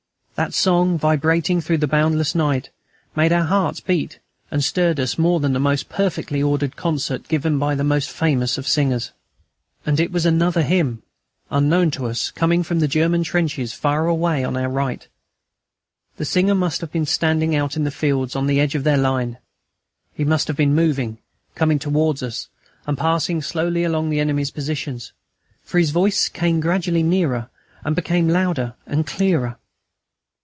That song, vibrating through the boundless night, made our hearts beat and stirred us more than the most perfectly ordered concert given by the most famous singers. And it was another hymn, unknown to us, coming from the German trenches far away on our left. The singer must have been standing out in the fields on the edge of their line; he must have been moving, coming towards us, and passing slowly along all the enemy's positions, for his voice came gradually nearer, and became louder and clearer.